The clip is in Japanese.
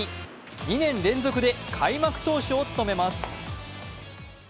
２年連続で開幕投手を務めます。